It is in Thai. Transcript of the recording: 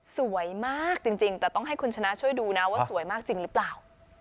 สวยมากจริงแต่ต้องให้คุณชนะช่วยดูนะว่าสวยมากจริงหรือเปล่า